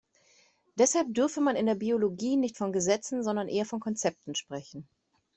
Deshalb dürfe man in der Biologie nicht von Gesetzen, sondern eher von Konzepten sprechen.